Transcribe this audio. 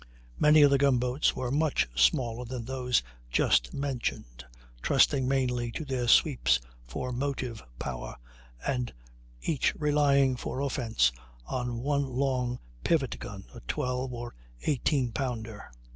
Many of the gun boats were much smaller than those just mentioned, trusting mainly to their sweeps for motive power, and each relying for offence on one long pivot gun, a 12 or 18 pounder.